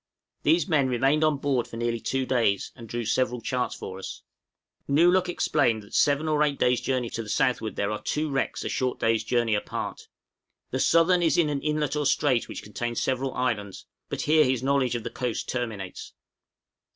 These men remained on board for nearly two days, and drew several charts for us. Nōo luk explained that seven or eight days' journey to the southward there are two wrecks a short day's journey apart. The southern is in an inlet or strait which contains several islands, but here his knowledge of the coast terminates.